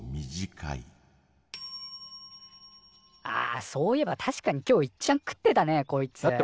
あそういえば確かに今日いっちゃん食ってたねコイツ。